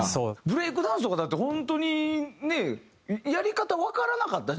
ブレイクダンスとかだって本当にねやり方わからなかった。